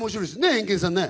エンケンさんね。